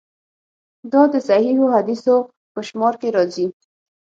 دا د صحیحو حدیثونو په شمار کې راځي.